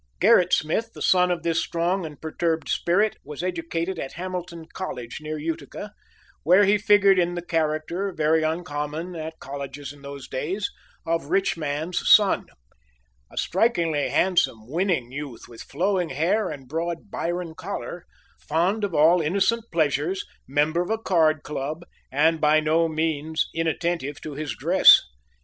Gerrit Smith, the son of this strong and perturbed spirit, was educated at Hamilton College, near Utica, where he figured in the character, very uncommon at colleges in those days, of rich man's son; a strikingly handsome, winning youth, with flowing hair and broad Byron collar, fond of all innocent pleasures, member of a card club, and by no means inattentive to his dress.